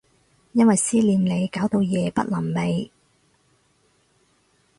因為思念你搞到夜不能寐